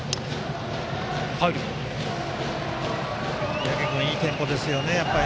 三宅君、いいテンポですね。